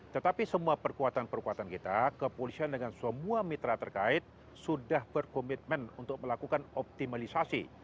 tetapi semua perkuatan perkuatan kita kepolisian dengan semua mitra terkait sudah berkomitmen untuk melakukan optimalisasi